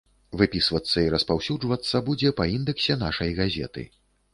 Выпісвацца і распаўсюджвацца будзе па індэксе нашай газеты.